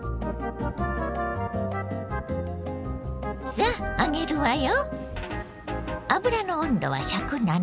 さあ揚げるわよ。